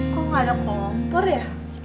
kok gak ada kompor ya